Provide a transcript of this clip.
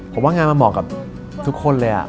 ผมว่างานมันเหมาะกับทุกคนเลย